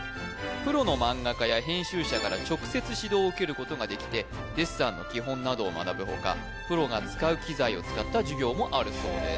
プロの漫画家や編集者から直接指導を受けることができてデッサンの基本などを学ぶほかプロが使う機材を使った授業もあるそうです・